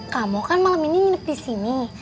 kamu kan malam ini nginep di sini